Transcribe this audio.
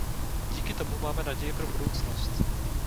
Díky tomu máme naději pro budoucnost.